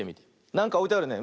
なんかおいてあるね。